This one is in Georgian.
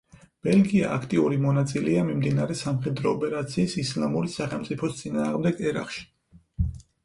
ბელგია აქტიური მონაწილეა მიმდინარე სამხედრო ოპერაციის ისლამური სახელმწიფოს წინააღმდეგ ერაყში.